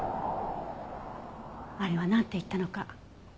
あれはなんて言ったのか。